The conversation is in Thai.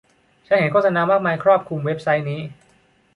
ฉันเห็นโฆษณามากมายครอบคลุมเว็บไซต์นี้